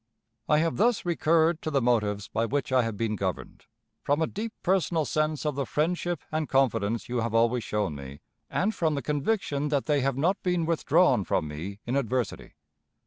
"I have thus recurred to the motives by which I have been governed, from a deep personal sense of the friendship and confidence you have always shown me, and from the conviction that they have not been withdrawn from me in adversity.